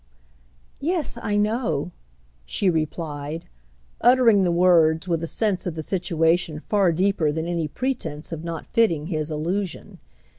"Yes, I know," she replied; uttering the words with a sense of the situation far deeper than any pretence of not fitting his allusion.